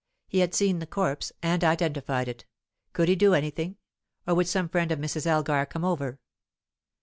He had seen the corpse, and identified it. Could he do anything? Or would some friend of Mrs. Elgar come over?